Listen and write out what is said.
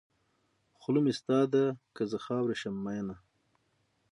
خوله مې ستا ده که زه خاورې شم مینه.